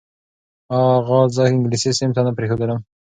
اغا زه انګلیسي صنف ته نه پرېښودلم.